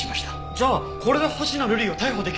じゃあこれで星名瑠璃を逮捕できるね。